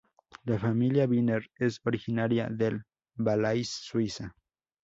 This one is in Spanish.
La familia Binner es originaria del Valais, Suiza.